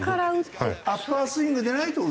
アッパースイングでないと打てない？